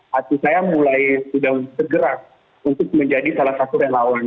hati saya mulai sudah bergerak untuk menjadi salah satu relawan